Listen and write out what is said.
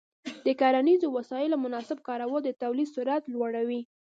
د کرنیزو وسایلو مناسب کارول د تولید سرعت لوړوي.